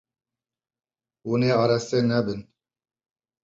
Hûn ê araste nebin.